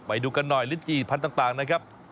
ไปดูกันหน่อยลิ้นจี่พันธุ์ต่างนะครับ